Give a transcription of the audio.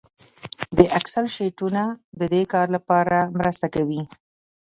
د اکسل شیټونه د دې کار لپاره مرسته کوي